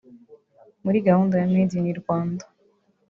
muri gahunda ya Made in Rwanda